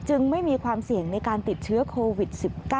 ไม่มีความเสี่ยงในการติดเชื้อโควิด๑๙